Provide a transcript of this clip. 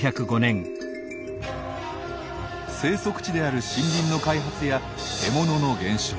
生息地である森林の開発や獲物の減少